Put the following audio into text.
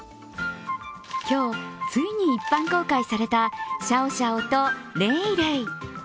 今日、ついに一般公開されたシャオシャオとレイレイ。